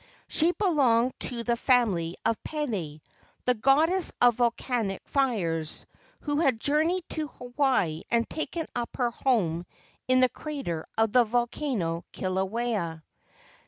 She belonged to the family of Pele, the goddess of volcanic fires, who had journeyed to Hawaii and taken up her home in the crater of the volcano Kilauea.